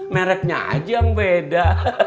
meretnya aja yang beda